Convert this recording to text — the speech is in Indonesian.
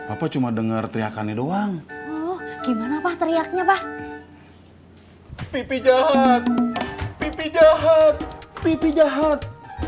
aku cuma dengar teriakannya doang gimana pak teriaknya pak pipi jahat pipi jahat pipi jahat